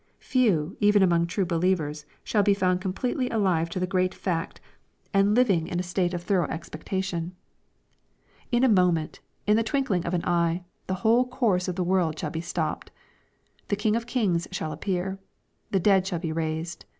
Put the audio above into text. Few, even among true believers, shall be found completely alive to the great fact, and living in a LUKE, CHAP. XXI. 385 state of thorough expectation. — Iq a moment, in the twinkling of an eye, the whole course of the world shall be stopped. The King of kings shall appear. The dead shall be raised.